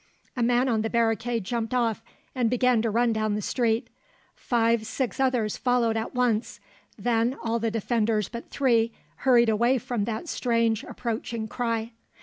A man on the barricade jumped off and began to run down the street; five, six others followed at once; then all the defenders but three hurried away from that strange approaching cry.